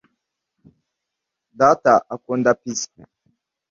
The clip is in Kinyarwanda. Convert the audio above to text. data akunda pizza